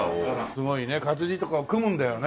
すごいね活字とかを組むんだよね。